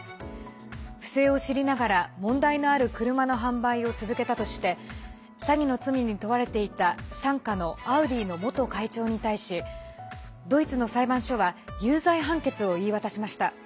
不正を知りながら問題のある車の販売を続けたとして詐欺の罪に問われていた傘下のアウディの元会長に対しドイツの裁判所は有罪判決を言い渡しました。